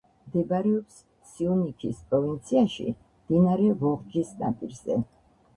მდებარეობს სიუნიქის პროვინციაში, მდინარე ვოღჯის ნაპირზე.